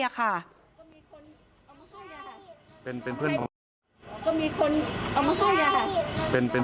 น่าจะตรวจสอบความถูกต้อง